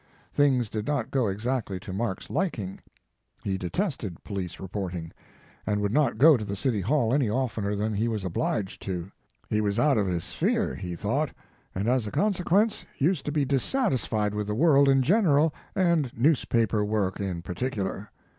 Things did not go exactly to Mark s liking; he detested police reporting, and would not go to the City Hall any oftener than he was obliged to. He was out of his sphere, he thought, and, as a conse quence, used to be disatisned with the world in general and newspaper work in particular.